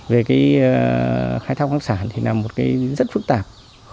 về cái khai thác khoáng sản thì là một cái rất phức tạp